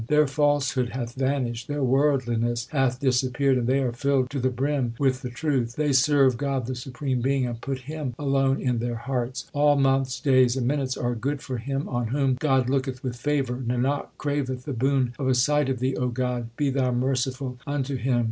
Their falsehood hath vanished, their worldliness hath disappeared, and they are filled to the brim with the truth. They serve God the supreme Being, and put Him alone in their hearts. All months, days, and minutes are good for him on whom God looketh with favour. Nanak craveth the boon of a sight of Thee, O God ; be Thou merciful unto him.